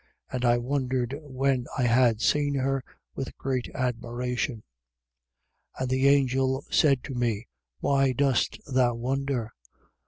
And I wondered, when I had seen her, with great admiration. 17:7. And the angel said to me: Why dost thou wonder?